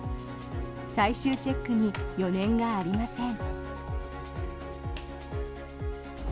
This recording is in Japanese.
最終チェックに余念がありません。